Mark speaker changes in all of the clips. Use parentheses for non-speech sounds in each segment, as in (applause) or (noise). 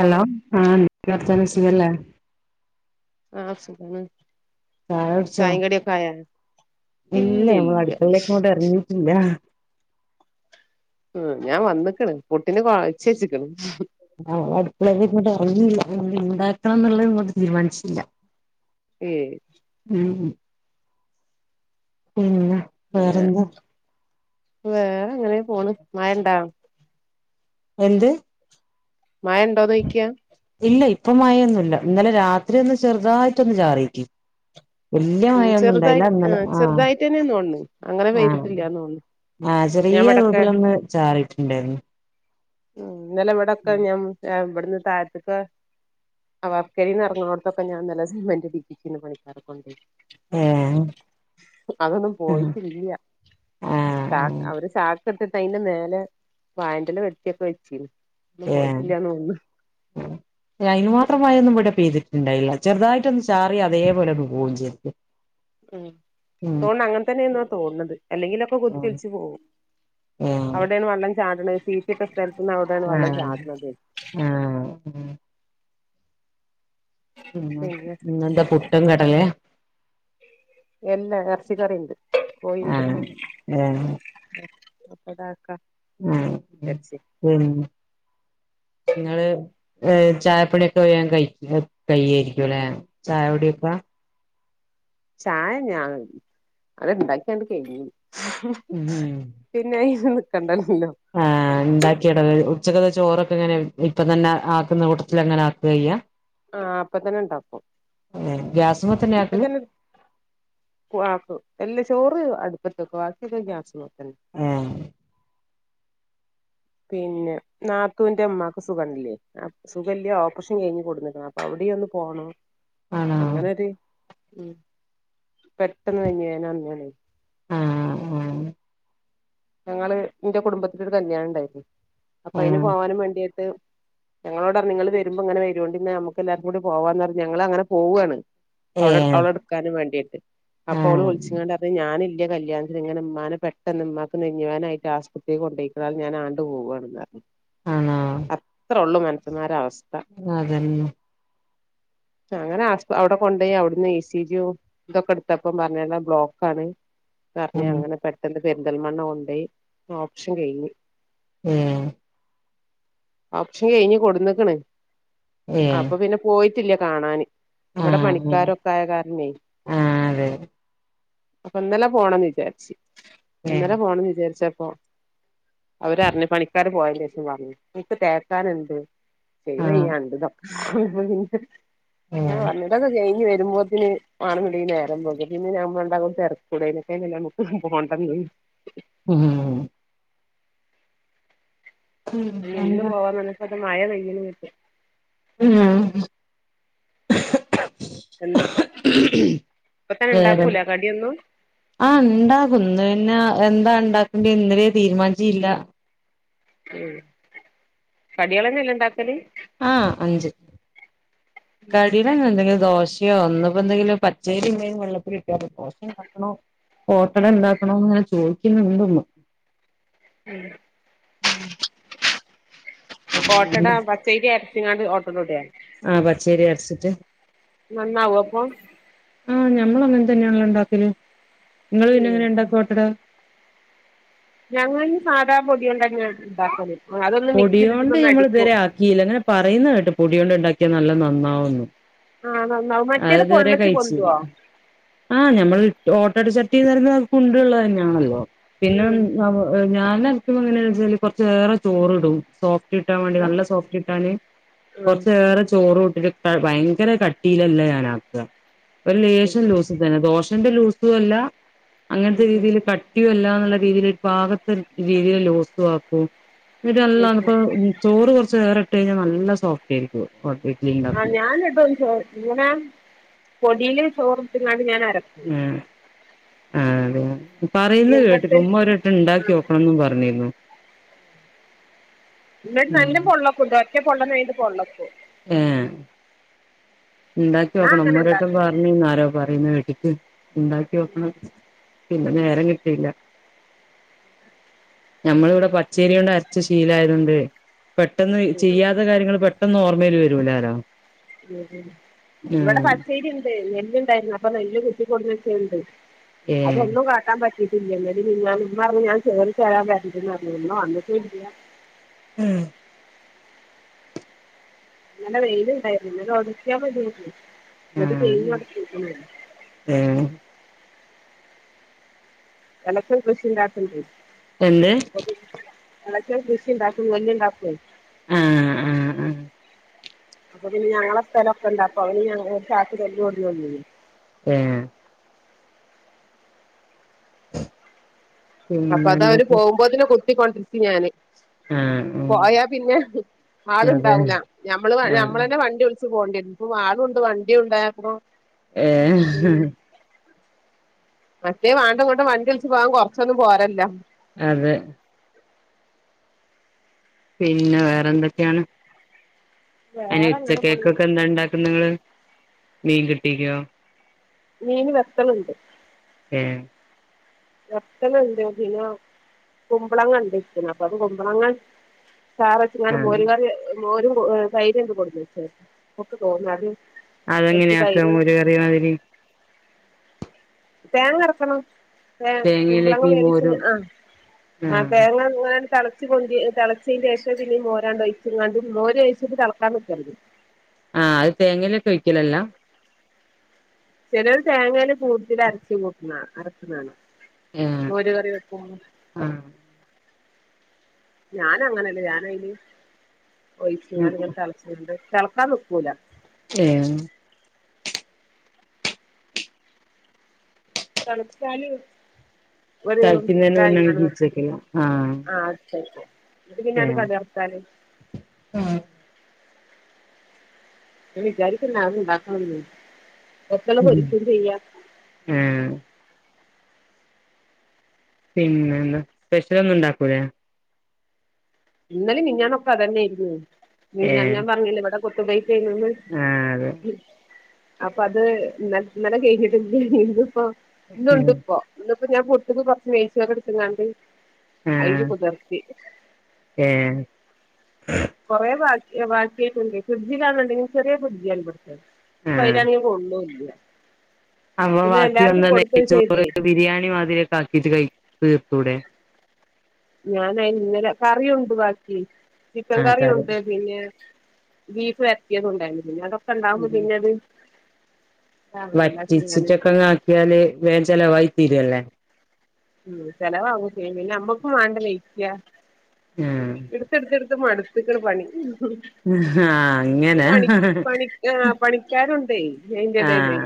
Speaker 1: Hello ആ എന്തൊക്കെ വർത്താനം സുഖല്ലേ
Speaker 2: ആ സുഖാണ്
Speaker 1: ചായ കുട്ച്ചോ
Speaker 2: ചായിം കടിയൊക്കെ ആയാ
Speaker 1: ഇല്ല നമ്മള് അടുക്കളേക്കോട്ടെറങ്ങീട്ടില്ലാ
Speaker 2: ഉം ഞാൻ വന്നക്ക്ണ് പുട്ടിന് കൊയച്ചെച്ച്ക്ക്ണ്
Speaker 1: ആ അടുകളേത് ങ്ങോട്ട് എറിങ്ങീല്ലാ എന്ത് ണ്ടാക്കണം എന്നുള്ളത് ഇങ്ങോട്ട് തീരുമാനിച്ചില്ല
Speaker 2: ഏ
Speaker 1: ഉം ഉം പിന്നെ
Speaker 2: പിന്നേ
Speaker 1: വേറെന്താ
Speaker 2: വേറെ ങ്ങനെ പോണ് മയണ്ടാ
Speaker 1: എന്ത്
Speaker 2: മയണ്ടോ ന്ന് ചോയ്ക്ക്യാ
Speaker 1: ഇല്ല ഇപ്പ മയൊന്നുല്ല ഇന്നലെ രാത്രി ഒന്ന് ചെറുതായിട്ടൊന്ന് ചാറിക്കി വല്യ
Speaker 2: ഉം
Speaker 1: മയൊന്നും
Speaker 2: ചെറുതായി
Speaker 1: ണ്ടായില്ല ഇന്നലെ
Speaker 2: ആഹ്
Speaker 1: ആ
Speaker 2: ചെറുതായിട്ടെന്നെ തോന്ന്ണ് അങ്ങനെ
Speaker 1: ആ
Speaker 2: പെയ്തിട്ടില്ലാന്ന് തോന്ന്ണ്
Speaker 1: ആഹ്
Speaker 2: ഞാൻ
Speaker 1: ചെറിയ
Speaker 2: ഇവടൊക്കെ
Speaker 1: തോതിലൊന്ന് ചാറിട്ടുണ്ടായിർന്നു
Speaker 2: ഉം ന്നലെവടൊക്കെ ഞാൻ ഇവിടുന്ന് താഴത്ത്ക്ക് അവ വർക്കരേന്ന് ഇർങ്ങ്ണൊട്ത്തൊക്കെ ഞാൻ ന്നലെ സിമെന്റ് ടീപ്പിച്ച്ണ് പണിക്കാരെ കൊണ്ട്
Speaker 1: ഏഹ്
Speaker 2: അതൊന്നും
Speaker 1: ആഹ്
Speaker 2: പോയിട്ടില്ലാ
Speaker 1: ആഹ്
Speaker 2: ചാക്ക് അവര് ചാക്ക് എടുത്തിട്ടൈയ്ന്റെ മേലേ വായേന്റെല വെട്ടി ഒക്കെ വെച്ചിന്നു
Speaker 1: ഏഹ് അയ്ന് മാത്രം മയൊന്നും ഇവിടെ പൈയ്തിട്ടുണ്ടായില്ല ചെറ്തായിട്ടൊന്ന് ചാറി അതേപോലെ പോകും ചെയ്തു
Speaker 2: ഉം തോണ് അങ്ങനെ തന്നെയേന്നാ തോന്നണത് അല്ലെങ്കിലൊക്കെ കുത്തി ഒല്ച്ച് പോകും
Speaker 1: ഏഹ്
Speaker 2: അവടെയാണ് വെള്ളം ചാടണത് സീറ്റ്ട്ട സ്ഥലത്തുന്ന് അവിടെയാണ് വെള്ളം
Speaker 1: ആഹ്
Speaker 2: ചാടണത്
Speaker 1: ആഹ് പിന്നെ ഇന്നേന്താ പുട്ടും കടലേ
Speaker 2: എല്ലാ എർച്ചിക്കറിണ്ട് കോയിണ്ട്
Speaker 1: ആഹ് ഏഹ്
Speaker 2: ഇതാക്ക
Speaker 1: ആഹ് ഉ (inaudible) ങ്ങള് ഏ ചായപ്പണിയൊക്കെ വേം കയ് കയ്യേരിക്കും ല്ലെ ചായകുടിയൊക്കെ
Speaker 2: ചായ ഞാൻ അത് ഇണ്ടാക്കിയണ്ട് കയ്ഞ്ഞ്നു
Speaker 1: ഉം
Speaker 2: പിന്നെ അയ്‌ന് നിക്കണ്ടല്ലോ
Speaker 1: ആഹ് ഉണ്ടാക്കിടവ് ഉച്ചകത്തെ ചോറൊക്കെങ്ങനെ ഇപ്പ തന്നെ ആക്കുന്ന കൂട്ടത്തിലങ്ങനെ ആക്കെയ്യാ
Speaker 2: ആ അപ്പൊ തന്നെ ഇണ്ടാക്കും
Speaker 1: ഏഹ് ഗ്യാസുമ്മെ
Speaker 2: ഇപ്പൊ
Speaker 1: ആക്കല്
Speaker 2: തന്നെ ക്ക്വാക്കും എല്ലാ ചോറ് അടുപ്പത്തെക്കും ബാക്കിയൊക്കെ ഗ്യാസ്മ്മെത്തന്നെ
Speaker 1: ഏഹ്
Speaker 2: പിന്നെ നാത്തുന്റെ ഇമ്മാക്ക് സുഖല്ലേ അപ് സുഖല്ല ഓപ്പറേഷൻ കഴിഞ്ഞ് കൊട്ന്നു ആപ്പൊ അവ്ടെ ഒന്ന് പോണം
Speaker 1: ആണോ
Speaker 2: അങ്ങനൊരു ഉം പെട്ടെന്ന് നെഞ് വേന വന്നേനെ
Speaker 1: ആഹ് ആഹ്
Speaker 2: ഞങ്ങള് ന്റെ കുടുംബത്തിലൊരു കല്യാണംണ്ടേരുന്നേ അപ്പൊ
Speaker 1: ആഹ്
Speaker 2: അയിന്
Speaker 1: ആഹ്
Speaker 2: പോവാനും വേണ്ടീട്ട് ഞങ്ങളോടർഞ്ഞ് ങ്ങള് വരുമ്പോ ങ്ങനെ വരൊണ്ടിന്നാ നമ്മക്ക് എല്ലാര്ക്കും കൂടി പോവാന്ന് പറഞ്ഞ് ഞങ്ങള ങ്ങനെ പോവാണ് അവളെ
Speaker 1: ഏഹ്
Speaker 2: അവളെടുക്കാനും വേണ്ടിട്ട് അപ്പൊ അവള്
Speaker 1: ആഹ്
Speaker 2: വിളിച്ച്ങ്ങാണ്ട് പർഞ്ഞ് ഞാനില്ല കല്യാൺ ങ്ങനെ ഉമ്മാനെ പെട്ടെന്ന് ഉമ്മാക്ക് നെഞ്ഞ് വേദനായിട്ട് ആസ്പത്രി കൊണ്ടോയിക്കാണ് ഞാനാണ്ട് പോവാണ് ന്ന്ർഞ്
Speaker 1: ആണോ
Speaker 2: അത്രൊള്ളൂ മൻസന്മാരേ അവസ്ഥ
Speaker 1: അതന്നെ
Speaker 2: അങ്ങനെ ആഹ് അവടെ കൊണ്ടയി അവ്ടുന്ന് എ സി ജിം തൊക്കെ എടുത്തപ്പൊ പറഞ്ഞൊലൊ ബ്ലോക്കാണ് പർഞ്ഞ്
Speaker 1: ഉം
Speaker 2: അങ്ങനെ പെട്ടന്ന് പെരിന്തൽമണ്ണ കൊണ്ടേയി ഓപ്ഷൻ കെയ്ഞ്ഞ്
Speaker 1: ഏഹ്
Speaker 2: ഓപഷൻ കഴിഞ്ഞ് കൊടുന്ന ക്ക്ണ്
Speaker 1: ഏഹ്
Speaker 2: അപ്പൊ പിന്നെ. പോയിട്ടില്ല കാണാന് ഇവിടെ
Speaker 1: ആഹ് ഉം
Speaker 2: പണിക്കാരൊക്കെ. കായ കാരനെയ്
Speaker 1: ആഹ് അതെ
Speaker 2: അപ്പൊ ഇന്നലെ പോണംന്ന് വിചാരിച്ചു.
Speaker 1: ഏഹ്
Speaker 2: ഇന്നലെ പോണംന്ന് വിചാരിച്ചപ്പോ. അവര് അറിഞ്ഞ പണിക്കാർ പോയതി ശേഷം പറഞ്ഞു നിനിക്ക് തേക്കാനുണ്ട്.
Speaker 1: ആഹ്
Speaker 2: (unintelligible) ഞൻ
Speaker 1: ഏഹ്
Speaker 2: പറഞ് ഇതൊെക്കെ കഴിഞ്ഞ് വരുമ്പോ തിന് വാണ നിടെങ്കി നേരം വൈകും (unintelligible) പോണ്ടന്ന്.
Speaker 1: ഉം ഉം പിന്നെന്താ
Speaker 2: (unintelligible)
Speaker 1: ഉം
Speaker 2: ഉം ഇപ്പൊ തന്നെ
Speaker 1: വേറെ
Speaker 2: ഇണ്ടാക്കൂല കടിയൊന്നും?
Speaker 1: ആഹ് ഉണ്ടാകുംന്ന് പിന്നെ എന്താ ഉണ്ടാക്കണ്ടെ ഇന്നലെ തീരുമാനിചീല്ല.
Speaker 2: ഉം കടിയാളന്നെല്ല ഇണ്ടാക്കല്?
Speaker 1: ആഹ് അഞ്ച്. കടയില എന്തെങ്കിലും ദോശയോ ഇന്ന് ഇപ്പ എന്തെങ്കിലും പച്ചരി എന്തു വെള്ളത്തിലിട്ടാ ദോശയുംണ്ടാക്കണോ. ഓട്ടടണ്ടാക്കണന്ന് ഞാൻ ചോദിക്കുന്നുണ്ടിന്.
Speaker 2: ഉം
Speaker 1: (unintelligible)
Speaker 2: ഓട്ടട പച്ചേരി അരച്ച്ങ്ങാട് ഓട്ടടുടെ?
Speaker 1: ആഹ് പച്ചേരി അരച്ചിട്ട്.
Speaker 2: നന്നാവോ അപ്പൊ
Speaker 1: ആഹ് ഞമ്മൾ അങ്ങനെ തന്നെയാണ ലോ ഉണ്ടാക്കിയത് നിങ്ങൾ പിന്നെ
Speaker 2: ഉം
Speaker 1: എങ്ങനെ ഉണ്ടാക്ക ഓ ട്ടട.
Speaker 2: ഞങ്ങൾ സാധാ പൊടിയൊണ്ടെന്നെ ഇണ്ടാക്കല് അതൊന്ന് മിക്സിയിൽ ഇ്ട്ടിട്ട് ഒന്ന് അടിക്കോ.
Speaker 1: യില്ല അങ്ങനെ പറയുന്ന കേട്ട് പൊടിയ കൊണ്ട് ഉണ്ടാക്കിയാ നല്ല നന്നാവുന്നു.
Speaker 2: ആഹ് നന്നാവും മറ്റേത് പൊള്ളച്ച്പൊ
Speaker 1: കഴിച്ച്
Speaker 2: ന്തോ?
Speaker 1: ആഹ് ഞമ്മൾ ഓട്ടട ചട്ടി ന്നറയ്ണ ത് കുണ്ട്ള്ളത് തന്നെയാണല്ലോ പിന്നെ.
Speaker 2: ഉം
Speaker 1: ഞാന് അരക്കുമ്പ എങ്ങനെയാണെ ച്ചാല് കുറച്ചേറെ ചോറിടും സോഫ്റ്റ് കിട്ടാൻ വേണ്ടി നല്ല സോഫ്റ്റിട്ടാന്.
Speaker 2: ഉം
Speaker 1: കുറച് ഏറെ ചോറുട്ടിട്ട് ഭയങ്കര കട്ടിയിലല്ല ഞാനാ. ഒരു
Speaker 2: ഉം ഉം
Speaker 1: ലേശം ലൂസ് തന്നെ ദോശന്റെ ലൂസു അല്ല അങ്ങനത്തെ
Speaker 2: ഉം ഉം
Speaker 1: രീതിയിൽ കട്ടി ല്ലുള്ള രീതിൽ ഭാഗത്ത് രീതിയിൽ ലുസും ആക്കും നിട്ട്
Speaker 2: ഉം
Speaker 1: നല്ലപ്പോ.
Speaker 2: ഉം
Speaker 1: ചോറ് കുറച്ച് ഏറെ ഇട്ട് കഴിഞ്ഞാൽ നല്ല സോഫ്റ്റ് ആയിരിക്കും ക്ലീൻ ആക്ക.
Speaker 2: (unintelligible) ഇങ്ങനെ പൊടിയിൽ ചോറിട്ടിങ്ങാണ്ട് ഞാൻ അര
Speaker 1: ആഹ് ആഹ് അതെ. പറയുന്നത്
Speaker 2: എന്നിട്ട്
Speaker 1: കേട്ടിക്ക്ണ് ഉമ്മ ഒരു വട്ടം
Speaker 2: ആ
Speaker 1: ഉണ്ടാക്കി നോക്കണന്ന് പറഞ്ഞിരുന്നു.
Speaker 2: എന്നിട്ട് നല്ല പൊള്ളക്കുട്ടോ ഒറ്റ (unintelligible)
Speaker 1: ഏഹ് ഇണ്ടാക്കി
Speaker 2: ഞാൻ
Speaker 1: നോക്കണം
Speaker 2: അങ്ങനെ
Speaker 1: ഉമ്മ ഒരു വട്ടം
Speaker 2: ഉണ്ടാക്കല്
Speaker 1: പറഞ്ഞന്നു ആരോ പറയുന്ന കേട്ടിട്ട് ഇണ്ടാക്കി നോക്കണം. പിന്നെ നേരം കിട്ടിയില്ല. ഞമ്മളിവിടെ പച്ചേരി കൊണ്ട് അരച് ശീലാആയതോണ്ട്. പെട്ടെന്ന് ചെയ്യാത്ത കാര്യങ്ങൾ പെട്ടെന്ന് ഓർമ്മയിൽ വരൂല്ലാലോ.
Speaker 2: ഉം ഉം ഇവിടെ പച്ചേരി ഉണ്ട് നെല്ല്ണ്ടായിരുന്നു അപ്പൊ നെല്ല് കുത്തിക്കൊടുന്നെച്ചതുണ്ട്.
Speaker 1: ഏഹ്
Speaker 2: അതൊന്നും കാട്ടാൻ പറ്റില്ല. (unintelligible)
Speaker 1: ഉം
Speaker 2: ഇന്നലെ വെയിലുണ്ടായിരുന്നു ഇന്നലെ ഉണക്കിയാ മതിയായിരുന്നു (unintelligible)
Speaker 1: ഏഹ്
Speaker 2: (unintelligible) അടക്കാ
Speaker 1: എന്ത്
Speaker 2: കൃഷി ഇണ്ടാക്കും നെല്ല്ണ്ടാക്കെയ്.
Speaker 1: ആഹ് ആഹ് ആഹ്
Speaker 2: അപ്പൊ പിന്ന ഞങ്ങള സ്ഥലൊക്കെ ഉണ്ട് അപ്പ അവന് (unintelligible)
Speaker 1: ഏഹ്
Speaker 2: അപ്പൊ
Speaker 1: പിന്നെ
Speaker 2: അത് അവര്
Speaker 1: എന്തൊക്കെ
Speaker 2: പോകുമ്പോഴ്തിന് കുത്തിക്കൊണ്ടിരിക്കും ഞാന്
Speaker 1: ആഹ്
Speaker 2: പോയാ
Speaker 1: ആഹ്
Speaker 2: പിന്നെ
Speaker 1: അതെ
Speaker 2: ആളുണ്ടാവൂല ഞമ്മള്
Speaker 1: ആഹ്
Speaker 2: ഞമ്മൾ തന്നെ വണ്ടി വിളിച്ച് പോകണ്ടിരുന്നു ഇപ്പ ആളുണ്ട് വണ്ടിയുണ്ട് (unintelligible)
Speaker 1: ഏഹ്
Speaker 2: മറ്റേ (unintelligible) വണ്ടി വിളിച്ച് പോവാൻ കുറച്ചൊന്നും പോരല്ലോ
Speaker 1: അതെ പിന്നെ വേറെ എന്തൊക്കെയാണ് അതിന്
Speaker 2: വേറെ
Speaker 1: ഉച്ച
Speaker 2: അങ്ങനെ പോണു
Speaker 1: കേക്കൊക്കെ എന്താ ഉണ്ടാക്കുന്ന നിങ്ങള് മീൻ കിട്ടില്ലിയോ
Speaker 2: മീന് വെക്കണുണ്ട്
Speaker 1: ഉം
Speaker 2: മത്തൻ ഉണ്ട് (unintelligible) കുമ്പളങ്ങ (unintelligible) അപ്പൊ അത് കുമ്പളങ്ങ
Speaker 1: ആഹ്
Speaker 2: (unintelligible) ഒഴിച്ച്
Speaker 1: അതെങ്ങനെയ ആക്കാം
Speaker 2: തൈര്
Speaker 1: മോര് കറിമാതിരി
Speaker 2: തേങ്ങ അരക്കണം ഏഹ്
Speaker 1: തേങ്ങയിലേക്ക്
Speaker 2: കുമ്പളങ്ങ
Speaker 1: ഈ
Speaker 2: വേവിച്ച്
Speaker 1: മോര്
Speaker 2: ആഹ് ആഹ് തേങ്ങ (unintelligible) (unintelligible) തിളച്ചതിന് ശേഷം പിന്നെ മോരാണ്ട് ഒഴിച്ചങ്ങാണ്ട് മോര് ഒഴിച്ചിട്ട് ഇത് ഇളക്കാൻ നിക്കരുത്
Speaker 1: ആഹ് അത് തേങ്ങയിലിട്ട് വെക്കലല്ല
Speaker 2: ചിലര് തേങ്ങേല് കൂടുതല് (unintelligible)
Speaker 1: ആഹ്
Speaker 2: മോര് കറി വെക്കു ഞാൻ അങ്ങനല്ല ഞാൻ അതിന് ഒഴിച്ച്
Speaker 1: ഉം
Speaker 2: ഇങ്ങന തിളച്ചണ്ട് തിളക്കാൻ നിക്കൂല
Speaker 1: ഏഹ് തളിക്കുന്നേന് മുന്നേ കീച്ച്
Speaker 2: (unintelligible)
Speaker 1: വെക്കലാ ആഹ്
Speaker 2: (unintelligible)
Speaker 1: ഉം
Speaker 2: (unintelligible)
Speaker 1: ആഹ് പിന്നെന്താ സ്പെഷ്യലൊന്നും ഉണ്ടാക്കൂലേ
Speaker 2: ഇന്നലേം മിനിഞ്ഞാന്നൊക്കെ അതന്നേരുന്നു മിനിഞ്ഞാന്ന്
Speaker 1: ഏഹ്
Speaker 2: ഞാൻ പറഞ്ഞില്ലേ ഇവിടെ കൊത്തു (unintelligible)
Speaker 1: ആഹ് അതെ
Speaker 2: അപ്പ അത് നല്ല കേഴ്ഞ്ഞിട്ട് ബിയാണിത് ഇപ്പൊ ഇന്ന് ഇണ്ട്
Speaker 1: ഉം
Speaker 2: ഇപ്പോ ഇന്നിപ്പോ ഞാൻ പൊട്ട് കൊറച്ച് നെയ്ച്ചോറ് എടുത്ത്ക്കാണ്ട് അയ്ത്
Speaker 1: ആഹ്
Speaker 2: കുതർത്തി
Speaker 1: ഏഹ്
Speaker 2: കൊറേ ബാക്കിയാ ബാക്കിയിട്ടുണ്ട് ഫ്രിഡ്ജിലാണണ്ടെങ്കിൽ ചെറിയ ഫ്രിഡ്ജല്ലേ അപ്പൊ അയ്നാണെ കൊള്ളൂല്ല
Speaker 1: അപ്പ
Speaker 2: പിന്നെ
Speaker 1: ബാക്കി വന്ന
Speaker 2: എല്ലാർക്കും കൊടുക്കും
Speaker 1: നെയ്ച്ചോറ്
Speaker 2: ചെയ്തേ
Speaker 1: ബിരിയാണി മാതിരി ഒക്കെ ആക്കീട്ട് കഴി തീർത്തൂടെ
Speaker 2: ഞാൻ അയ്ന് ഇന്നലെ കറിയൊണ്ട് ബാക്കി ചിക്കൻ
Speaker 1: ആഹ് കറി
Speaker 2: കറിയുണ്ട് പിന്നെ ബീഫ് വരട്ടിയത് ഉണ്ടായിരുന്നു പിന്നെ അതൊക്കെ ഇണ്ടാവുമ്പോ പിന്നെ അത് ഇതാവണ്ടല്ലോ ഞാന്
Speaker 1: വറ്റിച്ചിട്ടിക്കങ്ങ് ആക്കിയാല് വേം ചെലവായി തീരുല്ലേ
Speaker 2: ഉം ചെലവാകും ചെയ്യും പിന്ന നമ്മക്കും വേണ്ടീല
Speaker 1: ആഹ്
Speaker 2: (unintelligible) ടുത്തെടുത്ത് മടുത്ത്ക്ക്ണ് പണി
Speaker 1: ആഹ് അങ്ങന
Speaker 2: ആഹ് പണിക്കാറുണ്ടേ അയിൻ്റെടേല്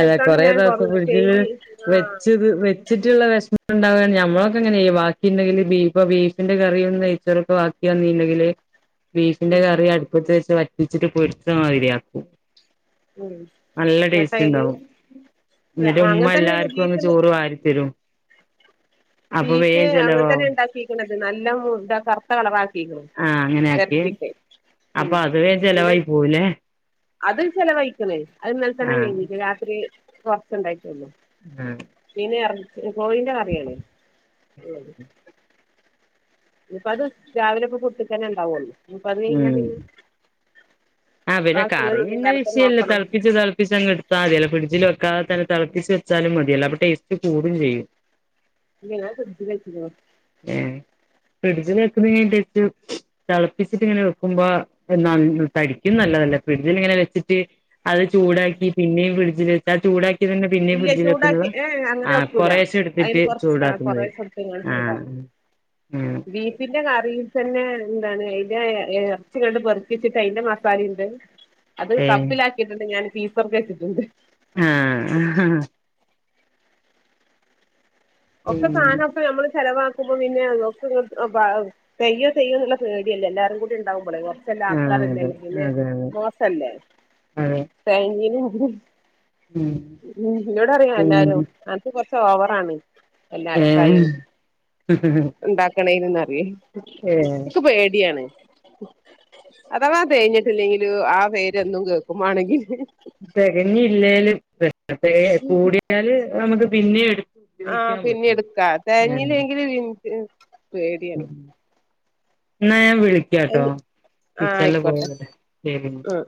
Speaker 1: അതെ കൊറേ
Speaker 2: ഞാൻ
Speaker 1: ദിവസം
Speaker 2: കൊറഞ്ഞു
Speaker 1: ഫ്രിഡ്ജില്
Speaker 2: കഴിഞ്ഞ് ആഹ്
Speaker 1: വെച്ചത് വെച്ചിട്ടുള്ള വിഷമം ഉണ്ടാവാണ് ഞമ്മളൊക്കെ അങ്ങനെയാ ചെയ്യ ബാക്കി ഇണ്ടെങ്കില് ബീഫ് ബീഫിന്റെ കറിയ് എന്തേ ചെലപ്പോ ബാക്കി വന്നില്ലെങ്കില് ബീഫിന്റെ
Speaker 2: ഉം
Speaker 1: കറി അടുപ്പത്ത് വെച്ചിട്ട് വറ്റിച്ചിട്ട് പൊരിച്ച മാതിരിയാക്കും
Speaker 2: മ്
Speaker 1: നല്ല ടേസ്റ്റ് ഇണ്ടാവും എന്നിട്ട്
Speaker 2: അങ്ങനെ
Speaker 1: ഉമ്മ
Speaker 2: തന്നെയാണ്
Speaker 1: എല്ലാർക്കും അങ്ങ്
Speaker 2: ബീഫ്
Speaker 1: ചോറ് വാരിത്തരും അപ്പൊ
Speaker 2: ബീഫ്
Speaker 1: വേഗം
Speaker 2: അങ്ങനെ തന്നെ
Speaker 1: ചെലവാവും
Speaker 2: ഇണ്ടാക്കിക്കണത് നല്ല മൂത്ത കറുത്ത കളറാക്കിരിക്കും ഇറച്ചി
Speaker 1: അപ്പ അത് വേഗം ചെലവായി പോവൂലേ
Speaker 2: അത് ചെലവഴിക്ക്ണ് അത് ഇന്നലെ തന്നെ
Speaker 1: ആഹ്
Speaker 2: കയ്ഞ്ഞു രാത്രി കുറച്ചുണ്ടായിട്ടെ ഉള്ളു
Speaker 1: ആഹ്
Speaker 2: പിന്നെ എറച്ചി കോയിന്റെ കറിയാണ് ഇപ്പ അത് രാവിലെ ഇപ്പൊ കുട്ടിക്കനെ ഉണ്ടാവല്ലോ ഇനിപ്പ അത് ഇങ്ങനെ
Speaker 1: ആ പിന്നെ കറി
Speaker 2: ഇന്നലത്തെ
Speaker 1: വിഷയല്ല
Speaker 2: നോക്കണം
Speaker 1: തിളപ്പിച്ച്‌ തിളപ്പിച്ച് അങ്ങ് എടുത്താ മതി അല്ല ഫ്രിഡ്ജില് വക്കാതെ തന്നെ തിളപ്പിച്ച് ച്ചാലും മതിയല്ലോ അപ്പൊ ടേസ്റ്റ് കൂടും ചെയ്യും
Speaker 2: ഞാൻ ഫ്രിഡ്ജില് വെച്ച്
Speaker 1: ഏഹ് ഫ്രിഡ്ജില് വെക്കുന്നെട്ട് തിളപ്പിച്ചിട്ട് ഇങ്ങനെ വെക്കുമ്പോ (unintelligible) ക്കും നല്ലതല്ല ഫ്രിഡ്ജിൽിങ്ങനെ വെച്ചിട്ട് അത് ചൂടാക്കി പിന്നെയും ഫ്രിഡ്ജിൽ വെച്ച് ആ ചൂടാക്കി ന്നത് പിന്നേം
Speaker 2: ഇല്ല
Speaker 1: ഫ്രിഡ്ജിൽ വെക്കുന്നത്
Speaker 2: ചൂടാക്കി ഏ അങ്ങനെ
Speaker 1: ആ
Speaker 2: വെക്കൂല
Speaker 1: കൊറേശെ
Speaker 2: അതിന്
Speaker 1: എടുത്തിട്ട്
Speaker 2: കൊറച്ച് ആ
Speaker 1: ചൂടാക്കുന്നത്
Speaker 2: കൊറേശെ എടുത്ത്ങ്ങാണ്ട്
Speaker 1: ആഹ് മ്
Speaker 2: പിന്നെ കറിയിൽ തന്നെ എന്താണ് അയിന്റെ ഇറച്ചി കണ്ട് പെറുപ്പിച്ചിട്ട് അയിന്റെ മസാല ഇണ്ട് അത്
Speaker 1: ഏഹ്
Speaker 2: കപ്പിലാക്കിയിട്ടുണ്ട് ഞാൻ ഫ്രീസർ വെച്ചിട്ടുണ്ട്
Speaker 1: ആഹ്
Speaker 2: ഒക്കെ
Speaker 1: പിന്നെ
Speaker 2: സാനൊക്കെ നമ്മള് ചെലവാ മുമ്പ് പിന്നെ (unintelligible) പെയ്യോ ചെയ്യോ എന്നുള്ള പേടിയല്ല എല്ലാരും കൂടി ഇണ്ടാവുമ്പളെ ല്ല
Speaker 1: ആഹ്
Speaker 2: ആൾക്കാരല്ലേ
Speaker 1: അതെ
Speaker 2: അല്ലെങ്കില്
Speaker 1: അതെ
Speaker 2: മോസല്ലേ
Speaker 1: അതെ അതെ
Speaker 2: തേങ്ങീം ഉം
Speaker 1: ഉം
Speaker 2: എന്നോട് അറയും എല്ലാരോം
Speaker 1: പിന്നെ
Speaker 2: ആ ഇത് കൊറച്ച് ഓവറാണ് എല്ലാ അരക്കായ
Speaker 1: ഏഹ്
Speaker 2: ഉണ്ടാക്കണേന്ന അറിയ
Speaker 1: ഏഹ്
Speaker 2: ഇക്ക് പേടിയാണ് അഥവാ തേഞ്ഞിട്ടില്ലെങ്കില് ആ പേരെന്നും കേക്കും മാണങ്കി
Speaker 1: തെകഞ്ഞില്ലേല് പ്രശ്നം (unintelligible) കൂടിയാല് നമുക്ക് പിന്നെ എടു
Speaker 2: ആഹ് പിന്നിഎടുക്കാ തെകഞ്ഞില്ലെങ്കില് ഇൻക്ക് പേടിയാണ്
Speaker 1: ന്നാ ഞാൻ വിളിക്കാട്ടോ
Speaker 2: ആഹ്
Speaker 1: കിച്ചൺല്
Speaker 2: ആയിക്കോട്ടെ
Speaker 1: പോയൊക്കോട്ടെ ശെരിന്നാ
Speaker 2: ഉം ഉം